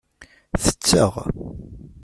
Tetteɣ.